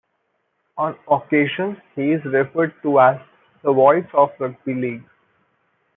On occasions he is referred to as "The Voice of Rugby League".